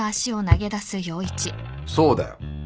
そうだよ。